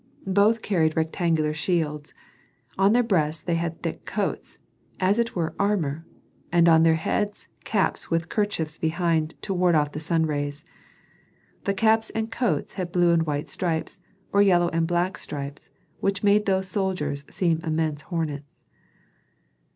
Both carried rectangular shields; on their breasts they had thick coats, as it were armor, and on their heads caps with kerchiefs behind to ward off the sun rays. The caps and coats had blue and white stripes or yellow and black stripes, which made those soldiers seem immense hornets.